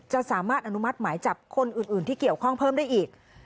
สามารถอนุมัติหมายจับคนอื่นที่เกี่ยวข้องเพิ่มได้อีก